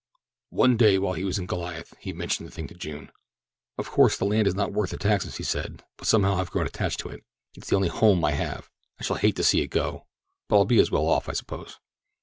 One day while he was in Goliath he mentioned the thing to June. "Of course the land is not worth the taxes," he said; "but somehow I have grown attached to it—it's the only 'home' I have. I shall hate to see it go, but I'll be as well off, I suppose."